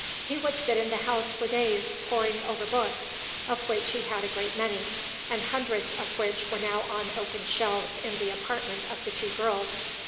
He would sit in the house for days poring over books, of which he had a great many, and hundreds of which were now on open shelves in the apartment of the two girls.